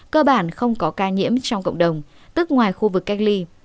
cơ bản không có ca nhiễm trong cộng đồng tức ngoài khu vực cách ly